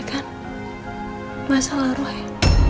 ya kan mas al lah roh ya